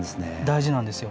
大事なんですよ。